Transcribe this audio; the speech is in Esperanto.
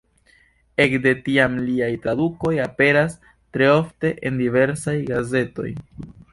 Ekde tiam liaj tradukoj aperas tre ofte en diversaj gazetoj.